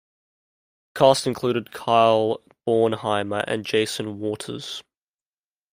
The cast included Kyle Bornheimer and Jason Waters.